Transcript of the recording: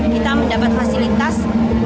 kita mendapat fasilitas